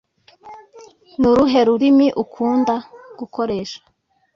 Ni uruhe rurimi ukunda gukoresha